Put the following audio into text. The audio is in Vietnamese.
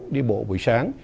đi bộ buổi sáng